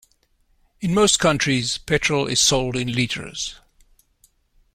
In most countries, petrol is sold in litres